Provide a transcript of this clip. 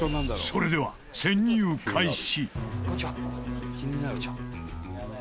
それでは潜入開始